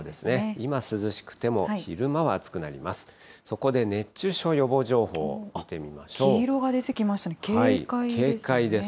今涼しくても、昼間は暑くなります。